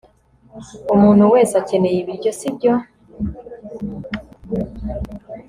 umuntu wese akeneye ibiryo, sibyo